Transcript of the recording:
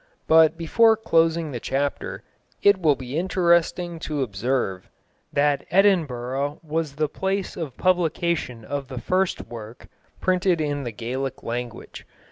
But before closing the chapter it will be interesting to observe that Edinburgh was the place of publication of the first work printed in the Gaelic language.